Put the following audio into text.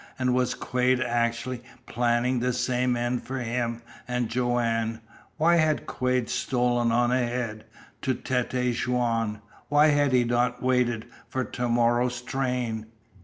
And was Quade actually planning the same end for him and Joanne? Why had Quade stolen on ahead to Tête Jaune? Why had he not waited for to morrow's train?